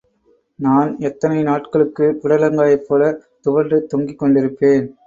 நான் எத்தனை நாட்களுக்குப் புடலங்காயைப் போல துவண்டுத் தொங்கிக் கொண்டிருப்பேன்?